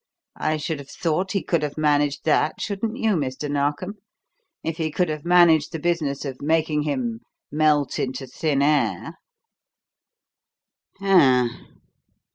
I should have thought he could have managed that, shouldn't you, Mr. Narkom, if he could have managed the business of making him melt into thin air? Hur r r!"